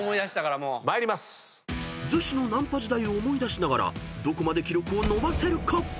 ［逗子のナンパ時代を思い出しながらどこまで記録を伸ばせるか］